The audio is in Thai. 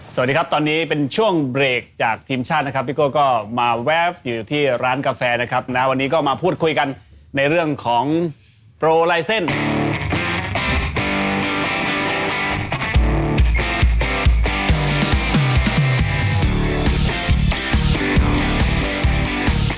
สวัสดีครับตอนนี้เป็นช่วงเบรกจากทีมชาตินะครับพี่โก้ก็มาแวฟอยู่ที่ร้านกาแฟนะครับนะวันนี้ก็มาพูดคุยกันในเรื่องของโปรไลเซ็นต์